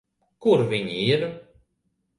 Kur viņi ir?